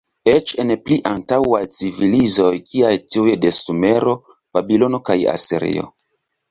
Eĉ en pli antaŭaj civilizoj kiaj tiuj de Sumero, Babilono kaj Asirio.